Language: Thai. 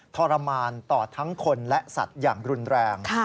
ทรมานต่อทั้งคนและสัตว์อย่างรุนแรง